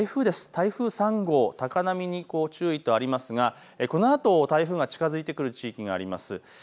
台風３号、高波に注意とありますがこのあと台風が近づいてくる地域があります。